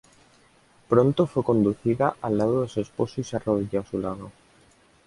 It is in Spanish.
Pronto fue conducida al lado de su esposo y se arrodilló a su lado.